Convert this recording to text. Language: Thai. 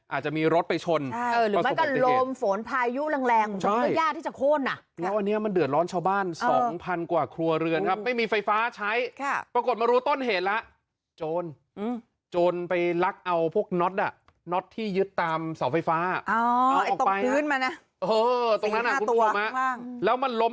อาจจะมีรถไปชนใช่หรือไม่ก็ลมฝนพายุแรง